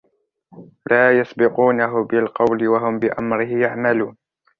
لَا يَسْبِقُونَهُ بِالْقَوْلِ وَهُمْ بِأَمْرِهِ يَعْمَلُونَ